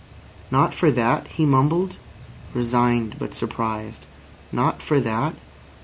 "Not for that?" he mumbled, resigned but surprised. "Not for that?"